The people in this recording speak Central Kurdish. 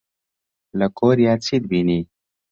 لە کۆریا چیت بینی؟